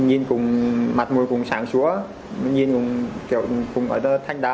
nhìn cũng mặt môi cũng sáng sủa nhìn cũng kiểu cũng ở đây thanh đá